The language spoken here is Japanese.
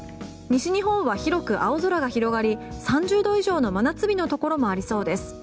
西日本は広く青空が広がり３０度以上の真夏日のところもありそうです。